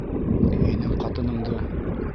Һинең... ҡатыныңды...